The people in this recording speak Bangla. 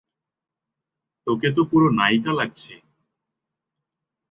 তোকে তো পুরো নায়িকা লাগছে।